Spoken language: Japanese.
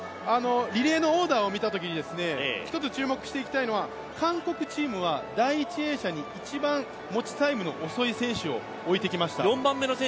リレーのオーダーを見たときに注目していきたいのは、韓国は第１泳者に一番持ちタイムの遅い選手を置いてきました。